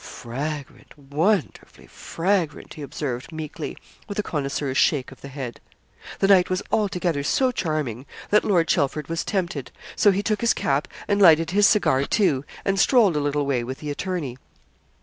'Fragrant wonderfully fragrant!' he observed, meekly, with a connoisseur's shake of the head. The night was altogether so charming that Lord Chelford was tempted. So he took his cap, and lighted his cigar, too, and strolled a little way with the attorney.